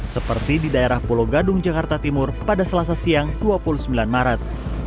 seperti di daerah pulau gadung jakarta timur pada selasa siang dua puluh sembilan maret